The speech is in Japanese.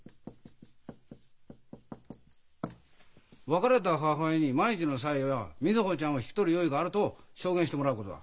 別れた母親に「万一の際は瑞穂ちゃんを引き取る用意がある」と証言してもらうことだ。